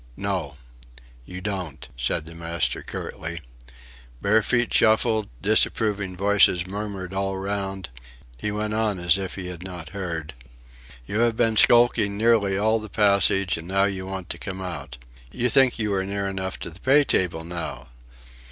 "No. You don't," said the master, curtly. Bare feet shuffled, disapproving voices murmured all round; he went on as if he had not heard: "You have been skulking nearly all the passage and now you want to come out. You think you are near enough to the pay table now.